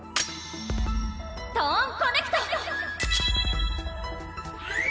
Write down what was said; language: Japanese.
トーンコネクト！